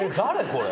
これ。